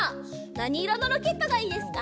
なにいろのロケットがいいですか？